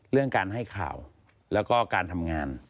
เรื่องการให้ข่าวแล้วก็การทำงาน